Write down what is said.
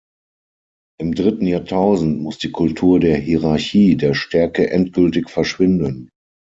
Im dritten Jahrtausend muss die Kultur der Hierarchie der Stärke endgültig verschwinden.